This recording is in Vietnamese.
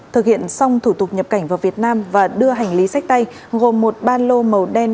thực hiện xong thủ tục nhập cảnh vào việt nam và đưa hành lý sách tay gồm một ban lô màu đen